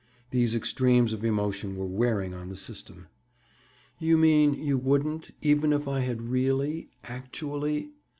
These extremes of emotion were wearing on the system. "You mean you wouldn't, even if I had really, actually—?"